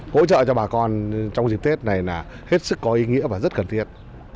hỗ trợ cho bà con trong dịp tết này là hết sức có ý nghĩa và rất cần thiết